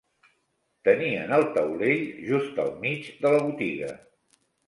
Tenien el taulell just al mig de la botiga.